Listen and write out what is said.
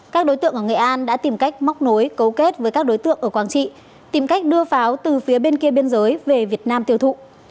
các đối tượng ở nghệ an đã tìm cách móc nối cấu kết với các đối tượng ở quảng trị tìm cách đưa pháo từ phía bên kia biên giới về việt nam tiêu thụ